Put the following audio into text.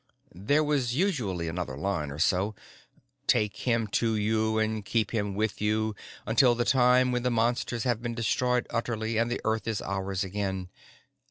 _" There was usually another line or so "_Take him to you and keep him with you until the time when the Monsters have been destroyed utterly and the Earth is ours again.